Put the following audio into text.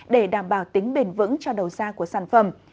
để đảm bảo tính bền vững cho đầu ra của sản phẩm